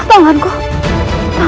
iya saya pengguna notebookstellum ini